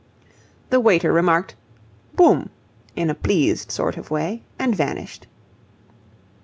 The waiter remarked, "Boum!" in a pleased sort of way, and vanished.